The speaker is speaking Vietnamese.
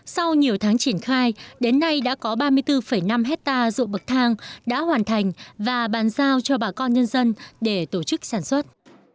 sau nhiều tháng triển khai đến nay đã có ba mươi bốn năm hectare ruộng bậc thang đã hoàn thành và bàn giao cho bà con nhân dân để tổ chức sản xuất